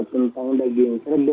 tentang daging kerbau